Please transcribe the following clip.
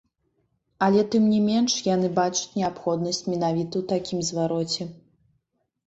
Але тым не менш, яны бачаць неабходнасць менавіта ў такім звароце.